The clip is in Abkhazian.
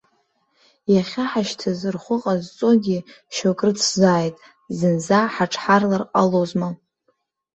Иахьаҳашьҭыз рхәы ҟазҵогьы шьоук рыцзааит, зынӡа ҳаҽҳарлар ҟалозма!